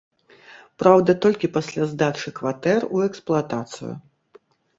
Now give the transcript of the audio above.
Праўда, толькі пасля здачы кватэр у эксплуатацыю.